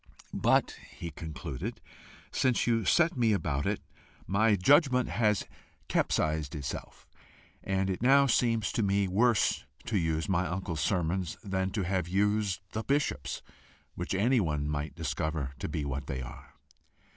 "But," he concluded, "since you set me about it, my judgment has capsized itself, and it now seems to me worse to use my uncle's sermons than to have used the bishop's, which anyone might discover to be what they are."